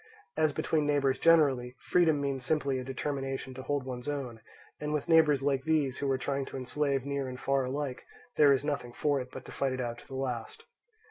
As between neighbours generally, freedom means simply a determination to hold one's own; and with neighbours like these, who are trying to enslave near and far alike, there is nothing for it but to fight it out to the last.